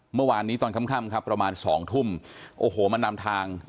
เมื่อวานนี้ตอนค่ำครับประมาณสองทุ่มโอ้โหมันนำทาง